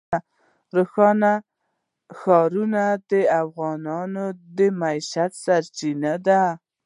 ښارونه د افغانانو د معیشت سرچینه ده.